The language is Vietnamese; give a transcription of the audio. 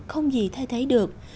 không gì thay thế được